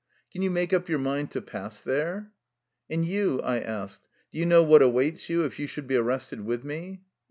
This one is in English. Can you make up your mind to pass there? "" And you/' I asked, —^' Do you know what awaits you if you should be arrested with me?"